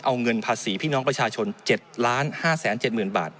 เอาเงินภาษีพี่น้องประชาชน๗๕๗๐๐๐บาท